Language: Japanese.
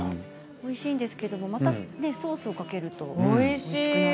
おいしいんですけどまたソースをかけるとおいしい。